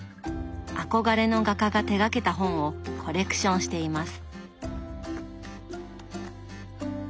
憧れの画家が手がけた本をコレクションしています。